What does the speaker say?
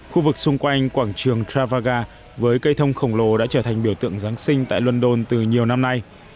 khu vực xung quanh quảng trường travvaga với cây thông khổng lồ đã trở thành biểu tượng giáng sinh tại london từ nhiều năm nay